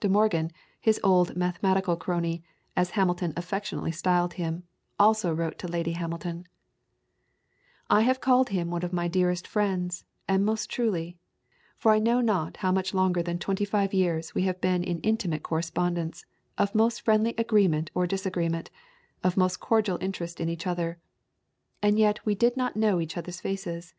De Morgan, his old mathematical crony, as Hamilton affectionately styled him, also wrote to Lady Hamilton: "I have called him one of my dearest friends, and most truly; for I know not how much longer than twenty five years we have been in intimate correspondence, of most friendly agreement or disagreement, of most cordial interest in each other. And yet we did not know each other's faces.